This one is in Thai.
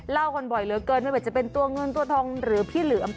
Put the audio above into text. เล่ากันบ่อยเหลือเกินไม่ว่าจะเป็นตัวเงินตัวทองหรือพี่เหลือม